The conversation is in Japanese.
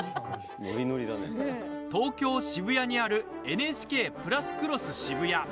東京・渋谷にあるＮＨＫプラスクロスＳＨＩＢＵＹＡ。